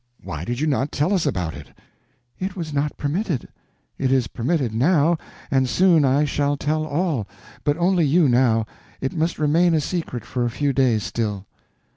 Why did you not tell us about it?" "It was not permitted. It is permitted now, and soon I shall tell all. But only you, now. It must remain a secret for a few days still."